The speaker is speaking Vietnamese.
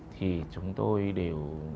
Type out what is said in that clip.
thì chúng tôi đều